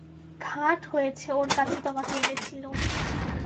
ঘাট হয়েছে ওর কাছে তোমাকে এনেছিলুম।